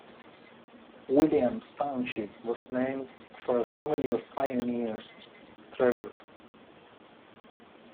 Williams Township was named for a family of pioneer settlers.